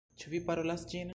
Ĉu vi parolas ĝin?